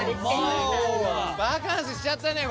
バカンスしちゃったね